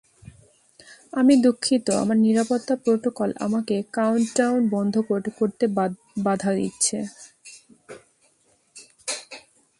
আমি দুঃখিত, আমার নিরাপত্তা প্রোটোকল আমাকে কাউন্টডাউন বন্ধ করতে বাধা দিচ্ছে।